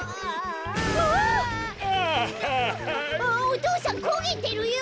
お父さんこげてるよ！